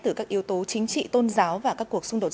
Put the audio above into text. từ các yếu tố chính trị tôn giáo và các cuộc xung đột